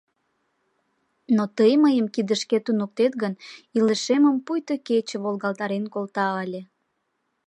Но тый мыйым кидышкет туныктет гын, илышемым пуйто кече волгалтарен колта ыле.